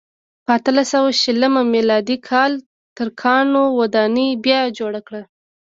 په اتلس سوه شلم میلادي کال ترکانو ودانۍ بیا جوړه کړه.